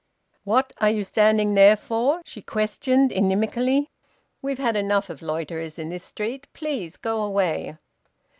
"What are you standing there for?" she questioned inimically. "We've had enough of loiterers in this street. Please go away."